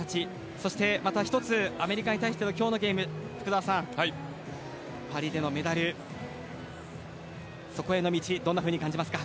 そしてまた一つアメリカに対して今日のゲーム福澤さん、パリでのメダルそこへの道どんなふうに感じますか。